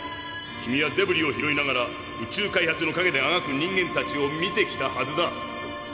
君はデブリを拾いながら宇宙開発のかげであがく人間たちを見てきたはずだ。